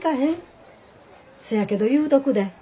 せやけど言うとくで。